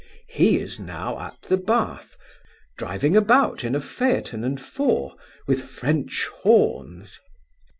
He is now at the Bath, driving about in a phaeton and four, with French horns.